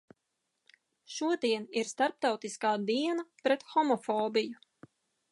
Šodien ir starptautiskā diena pret homofobiju.